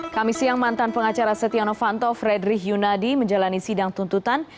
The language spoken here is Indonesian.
kami siang mantan pengacara setia novanto fredrik yunadi menjalani sidang tuntutan